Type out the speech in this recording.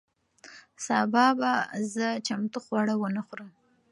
سبا به زه چمتو خواړه ونه خورم.